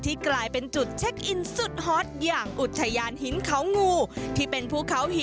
ที่กลายเป็นจุดเช็คอินสุดฮอตอย่างอุทยานหินเขางู